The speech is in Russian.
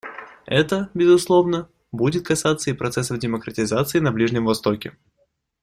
Это, безусловно, будет касаться и процессов демократизации на Ближнем Востоке.